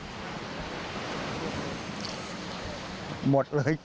ก็ยังใส่กางเกงแล้วก็มีเสื้ออยู่นะคะ